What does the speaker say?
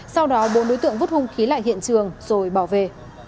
sau đó bốn đối tượng vứt hung khí lại hiện trường rồi bỏ về